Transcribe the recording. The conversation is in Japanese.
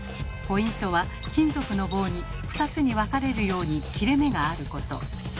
ポイントは金属の棒に２つに分かれるように切れ目があること。